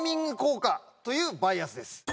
というバイアスです。